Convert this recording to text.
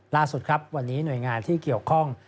ล่าสุดครับวันนี้หน่วยงานที่เกี่ยวข้อง